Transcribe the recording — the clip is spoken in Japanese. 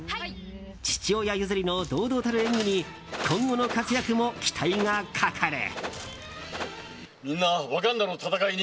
父親譲りの堂々たる演技に今後の活躍も期待がかかる。